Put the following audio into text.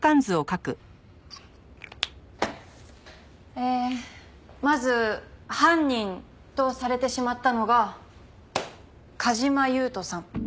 えーまず犯人とされてしまったのが梶間優人さん。